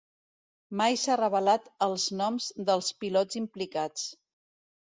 Mai s'ha revelat els noms dels pilots implicats.